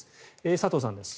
佐藤さんです。